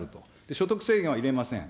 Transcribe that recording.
所得制限は入れません。